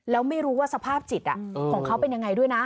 แล้วไม่รู้ว่าสภาพจิตของเขาเป็นยังไงด้วยนะ